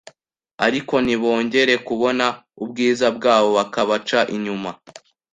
ariko ntibongere kubona ubwiza bwabo bakabaca inyuma